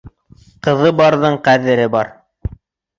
Ҡыҙы барҙың ҡәҙере бар.